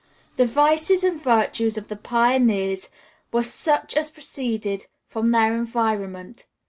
The vices and virtues of the pioneers were such as proceeded from their environment.